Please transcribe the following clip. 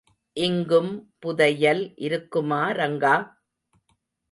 இங்கும் புதையல் இருக்குமா ரங்கா?